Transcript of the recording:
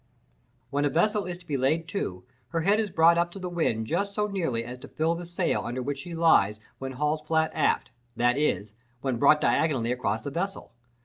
When a vessel is to be laid to, her head is brought up to the wind just so nearly as to fill the sail under which she lies when hauled flat aft, that is, when brought diagonally across the vessel.